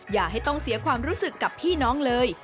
อย่าให้ต้องเสียความรู้สึกกับพี่น้องเลย